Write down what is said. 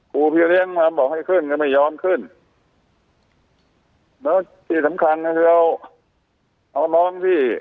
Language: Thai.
ครูพี่เลี้ยงมาบอกให้ขึ้นก็ไม่ยอมขึ้นแล้วที่สำคัญก็คือเราเอาน้องที่